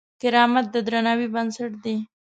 کرامت د درناوي بنسټ دی.